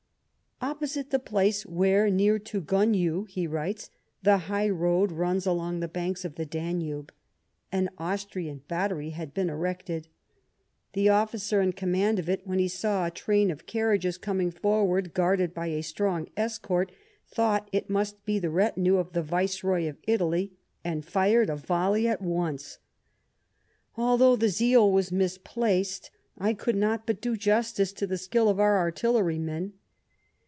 " Opposite the place where, near to Gonyo," he writes, " the high road runs along the banks of the Danube, an Austrian battery had been erected. The officer in command of it, when he saw a train of carriages coming forward, guarded by a strong escort, thought it must be the retinue of the Viceroy of Italy, and fired a volley at once. Although the zeal was misplaced, I could not but do justice to the skill of our artillerymen.